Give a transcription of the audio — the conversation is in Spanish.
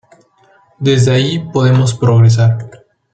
Desde ahí podemos progresar.""".